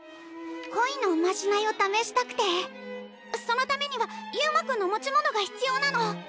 こいのおまじないをためしたくてそのためには裕真君の持ち物が必要なの。